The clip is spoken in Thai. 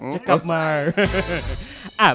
จะกลับมา